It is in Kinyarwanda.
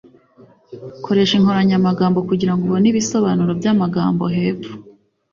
koresha inkoranyamagambo kugirango ubone ibisobanuro byamagambo hepfo